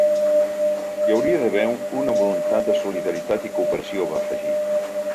Hi hauria d’haver una voluntat de solidaritat i cooperació, va afegir.